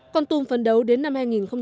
con tum phấn đấu đến năm hai nghìn hai mươi năm